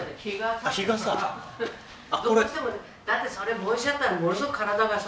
だってそれ帽子だったらものすごく体がさ。